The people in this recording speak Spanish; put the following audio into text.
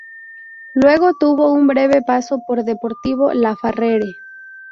Luego tuvo un breve paso por Deportivo Laferrere.